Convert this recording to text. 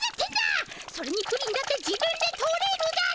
それにプリンだって自分で取れるだろ。